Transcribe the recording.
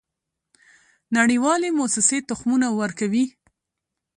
نړیوالې موسسې تخمونه ورکوي.